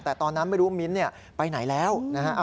แต่ตอนนั้นไม่รู้มิ้นไปไหนแล้วนะฮะ